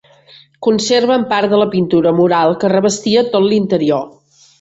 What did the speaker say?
Conserven part de la pintura mural que revestia tot l'interior.